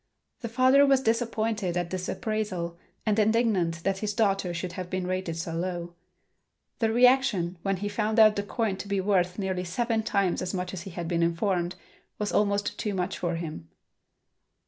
The father was disappointed at this appraisal and indignant that his daughter should have been rated so low. The reaction, when he found the coin to be worth nearly seven times as much as he had been informed, was almost too much for him.